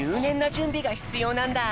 じゅんびがひつようなんだ。